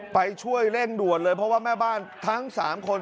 ไปช่วยเร่งด่วนเลยเพราะว่าแม่บ้านทั้ง๓คน